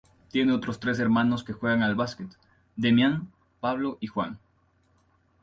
Tiene otros tres hermanos que juegan al básquet: Demián, Pablo y Juan.